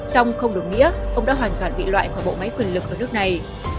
song không đủ nghĩa ông đã hoàn toàn bị loại khỏi bộ máy quyền lực của nước này